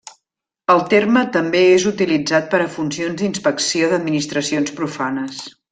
El terme també és utilitzat per a funcions d'inspecció d'administracions profanes.